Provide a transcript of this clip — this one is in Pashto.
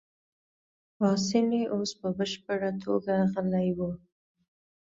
پاسیني اوس په بشپړه توګه غلی وو.